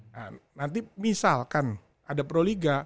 nah nanti misalkan ada proliga